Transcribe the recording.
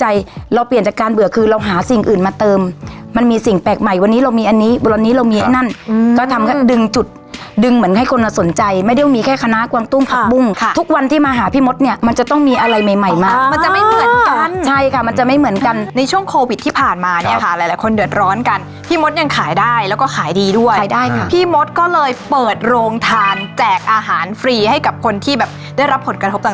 ใจไม่ได้ยังมีแค่คณะกวางตู้มผักบุ้งค่ะทุกวันที่มาหาพี่มดเนี้ยมันจะต้องมีอะไรใหม่ใหม่มากมันจะไม่เหมือนกันใช่ค่ะมันจะไม่เหมือนกันในช่วงโควิดที่ผ่านมาเนี้ยค่ะหลายหลายคนเดือดร้อนกันพี่มดยังขายได้แล้วก็ขายดีด้วยขายได้ค่ะพี่มดก็เลยเปิดโรงทานแจกอาหารฟรีให้กับคนที่แบบได้รับผลกระทบต่